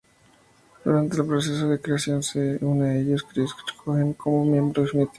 Durante el proceso de creación se une a ellos Chris Cohen como miembro definitivo.